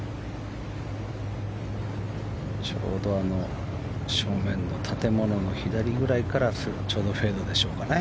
あの正面の建物の左ぐらいからちょうどフェードでしょうか。